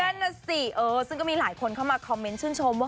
นั่นน่ะสิซึ่งก็มีหลายคนเข้ามาคอมเมนต์ชื่นชมว่า